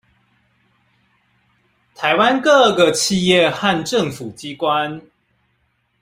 台灣各個企業和政府機關